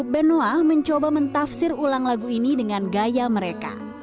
dan noah mencoba mentafsir ulang lagu ini dengan gaya mereka